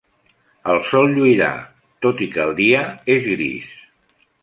El sol lluirà, tot i que el dia és gris.